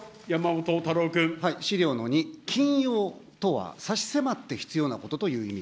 資料の２、金融とは、差し迫って必要なことという意味。